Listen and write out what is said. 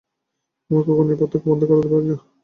আমরা কখনও এই পার্থক্য বন্ধ করিতে পারি না।